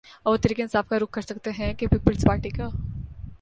اب وہ تحریک انصاف کا رخ کر سکتے ہیں کہ پیپلز پارٹی کا